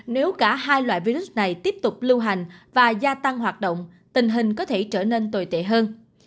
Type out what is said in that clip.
nếu cả hai loại virus này tiếp tục lưu hành và gia tăng hoạt động tình hình có thể trở nên tồi tệ hơn